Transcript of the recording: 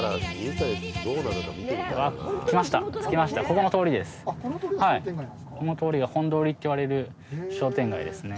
この通りが本通りっていわれる商店街ですね。